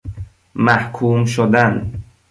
محکوم شدن